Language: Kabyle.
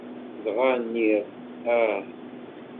Dɣa nniɣ: ah!